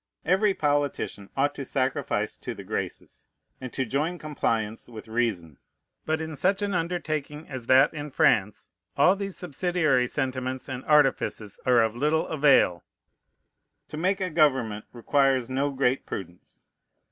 Every politician ought to sacrifice to the Graces, and to join compliance with reason. But in such an undertaking as that in France all these subsidiary sentiments and artifices are of little avail. To make a government requires no great prudence.